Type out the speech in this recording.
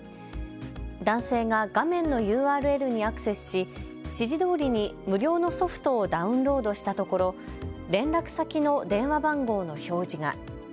男性が画面のＵＲＬにアクセスし指示どおりに無料のソフトをダウンロードしたところ連絡先の電話番号の表示が。